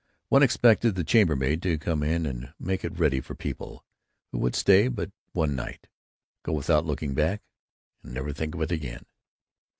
One expected the chambermaid to come in and make it ready for people who would stay but one night, go without looking back, and never think of it again.